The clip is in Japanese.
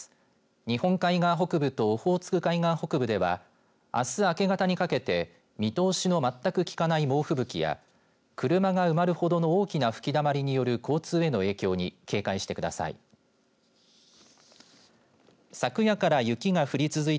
日本海側北部とオホーツク海側北部ではあす明け方にかけて見通しの全く利かない猛吹雪や車が埋まるほどの大きな吹きだまりによる交通への影響に警戒してください。